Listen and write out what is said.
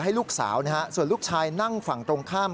ให้ลูกสาวนะฮะส่วนลูกชายนั่งฝั่งตรงข้าม